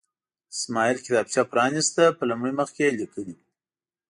اسماعیل کتابچه پرانسته، په لومړي مخ یې لیکلي وو.